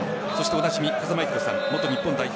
おなじみ風間八宏さん元日本代表